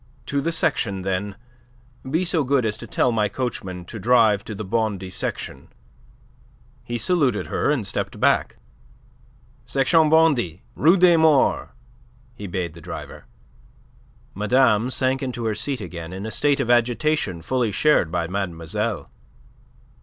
"To the section, then. Be so good as to tell my coachman to drive to the Bondy Section." He saluted her and stepped back. "Section Bondy, Rue des Morts," he bade the driver. Madame sank into her seat again, in a state of agitation fully shared by mademoiselle.